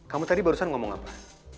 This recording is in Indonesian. kamu tadi barusan ngomong apa